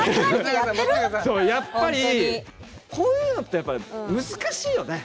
やっぱり、こういうのって難しいよね！